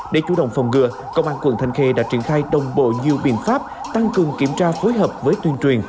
để chủ động phòng ngừa công an quận thanh khê đã triển khai đồng bộ nhiều biện pháp tăng cường kiểm tra phối hợp với tuyên truyền